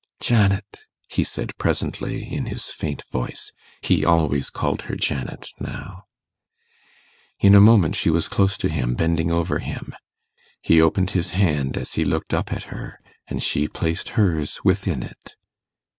'Janet,' he said presently, in his faint voice he always called her Janet now. In a moment she was close to him, bending over him. He opened his hand as he looked up at her, and she placed hers within it.